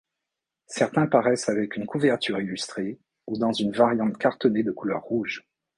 Certains paraissent avec une couverture illustrée ou dans une variante cartonnés de couleur rouge.